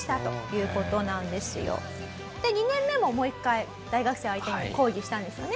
２年目ももう一回大学生相手に講義したんですよね？